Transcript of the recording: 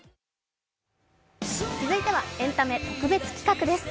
続いてはエンタメ特別企画です。